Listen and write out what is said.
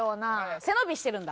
背伸びしてるんだ。